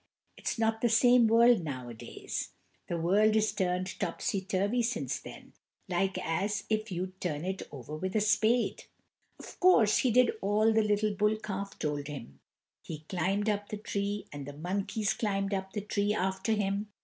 it's not the same world nowadays. The world is turned topsy turvy since then, like as if you'd turn it over with a spade!) Of course, he did all the little bull calf told him. He climbed up the tree, and the monkeys climbed up the tree after him.